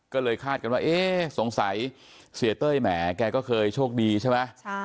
ก็เลยคาดกันว่าเอ๊ะสงสัยเสียเต้ยแหมแกก็เคยโชคดีใช่ไหม